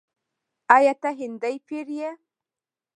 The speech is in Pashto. “آیا ته هندی پیر یې؟”